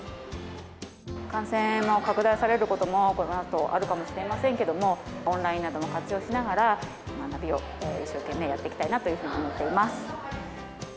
感染が拡大されることもこのあと、あるかもしれませんけれども、オンラインなども活用しながら、学びを一生懸命やっていきたいなというふうに思っています。